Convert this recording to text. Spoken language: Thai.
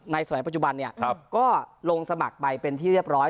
ในสวัสดีปัจจุบันเนี้ยก็ลงสมัครไปเป็นที่เรียบร้อย